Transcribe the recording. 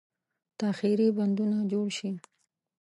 تاخیري بندونه جوړ شي.